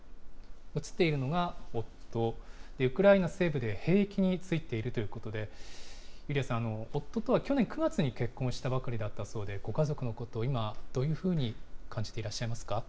写っているのが夫、ウクライナ西部で兵役に就いているということで、ユリヤさん、夫とは去年９月に結婚したばかりだったそうで、ご家族のこと、今、どういうふうに感じていらっしゃいますか。